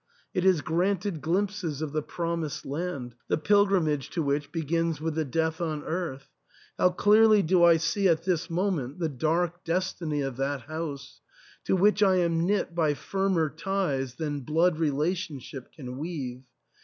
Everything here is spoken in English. It is granted glimpses of the promised land, the pilgrimage to which begins with the death on earth. How clearly do I see at this moment the dark destiny of that house, to which I am knit by firmer ties than blood relationship can weave!